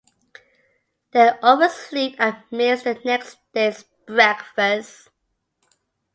They oversleep and miss the next day's breakfast.